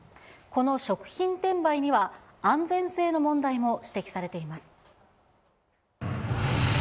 この食品転売には安全性の問題も指摘されています。